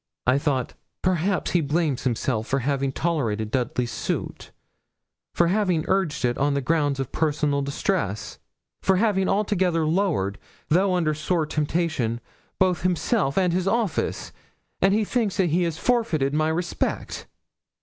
I thought, 'Perhaps he blames himself for having tolerated Dudley's suit for having urged it on grounds of personal distress for having altogether lowered, though under sore temptation, both himself and his office; and he thinks that he has forfeited my respect.'